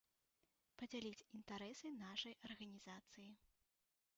Падзяляць інтарэсы нашай арганізацыі.